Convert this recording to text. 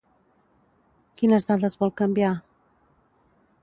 Quines dades vol canviar?